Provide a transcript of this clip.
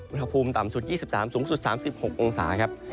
อุณหภูมิต่ำสุด๒๓สูงสุด๓๖องศาครับ